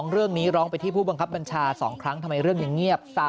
เรื่องนี้ร้องไปที่ผู้บังคับบัญชา๒ครั้งทำไมเรื่องยังเงียบ